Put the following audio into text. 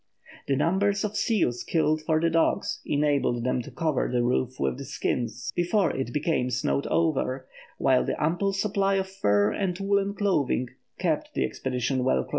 The numbers of seals killed for the dogs enabled them to cover the roof with the skins before it became snowed over, while the ample supply of fur and woollen clothing kept the expedition well clad.